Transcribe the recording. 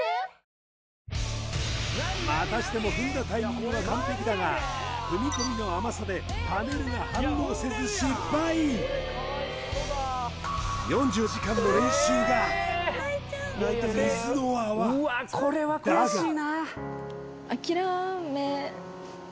またしても踏んだタイミングは完璧だが踏み込みの甘さでパネルが反応せず失敗４０時間の練習が水の泡だがああそうですね小栗